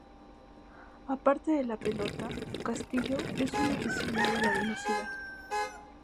Aparte de la pelota, Castillo es muy aficionado a la velocidad.